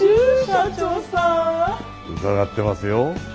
伺ってますよ。